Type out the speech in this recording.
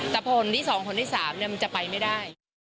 แต่พอหวนที่สองหวนที่สามจะไปไม่ได้